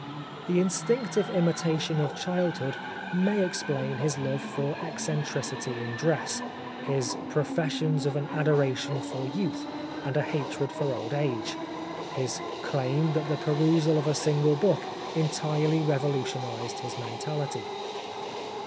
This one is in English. The instinctive imitation of childhood may explain his love for eccentricity in dress, his professions of an adoration for youth and a hatred for old age, his claim that the perusual of a single book entirely revolutionised his mentality.